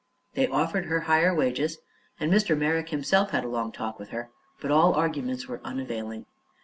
They offered her higher wages, and Mr. Merrick himself had a long talk with her, but all arguments were unavailing.